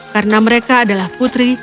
karena mereka adalah putri